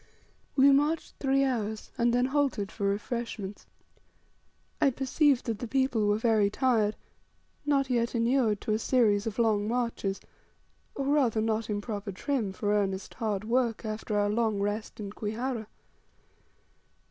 We marched three hours, and then halted for refreshments. I perceived that the people were very tired, not yet inured to a series of long marches, or rather, not in proper trim for earnest, hard work after our long rest in Kwihara.